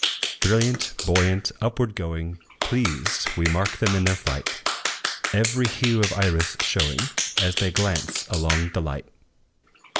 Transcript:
Brilliant, buoyant, upward going, Pleased, we mark them in their flight, Every hue of iris showing, As they glance along the light.